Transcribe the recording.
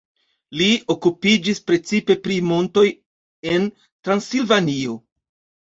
Li okupiĝis precipe pri montoj en Transilvanio.